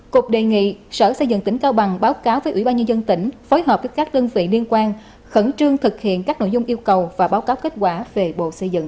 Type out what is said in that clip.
cục đề nghị sở xây dựng tỉnh cao bằng báo cáo với ủy ban nhân dân tỉnh phối hợp với các đơn vị liên quan khẩn trương thực hiện các nội dung yêu cầu và báo cáo kết quả về bộ xây dựng